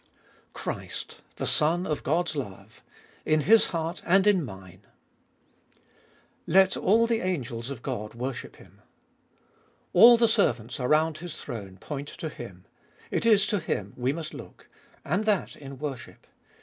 1. Christ, the Son of God's love : in His heart and in mine. 2. " Let all the angels of God worship Him, " A II the servants r.round His throne point to Him : it Is to Him we must look. And that in worship.